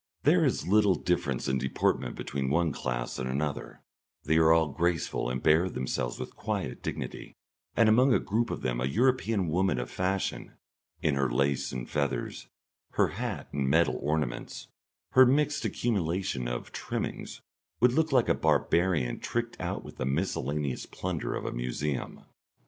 There is little difference in deportment between one class and another; they all are graceful and bear themselves with quiet dignity, and among a group of them a European woman of fashion in her lace and feathers, her hat and metal ornaments, her mixed accumulations of "trimmings," would look like a barbarian tricked out with the miscellaneous plunder of a museum.